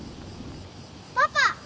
パパ！